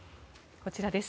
こちらです。